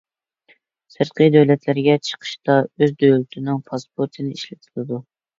سىرتقى دۆلەتلەرگە چىقىشتا، ئۆز دۆلىتىنىڭ پاسپورتىنى ئىشلىتىدۇ.